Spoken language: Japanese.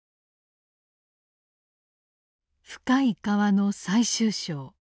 「深い河」の最終章。